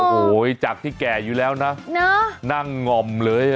โอ้โหจากที่แก่อยู่แล้วนะนั่งงอมเลย